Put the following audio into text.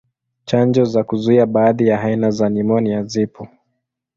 Chanjo za kuzuia baadhi ya aina za nimonia zipo.